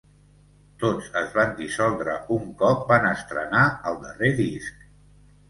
Tots es van dissoldre un cop van estrenar el darrer disc.